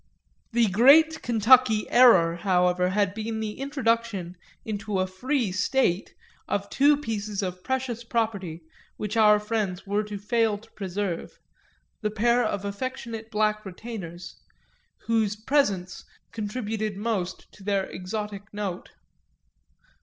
The great Kentucky error, however, had been the introduction into a free State of two pieces of precious property which our friends were to fail to preserve, the pair of affectionate black retainers whose presence contributed most to their exotic note.